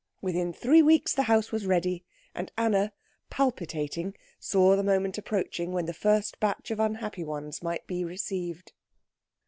Within three weeks the house was ready, and Anna, palpitating, saw the moment approaching when the first batch of unhappy ones might be received.